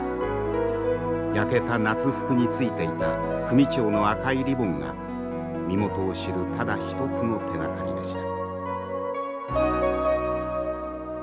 焼けた夏服についていた組長の赤いリボンが身元を知るただ一つの手がかりでした。